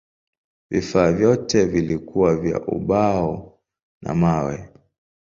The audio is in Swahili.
Vifaa vyote vilikuwa vya ubao na mawe.